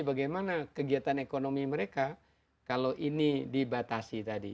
bagaimana kegiatan ekonomi mereka kalau ini dibatasi tadi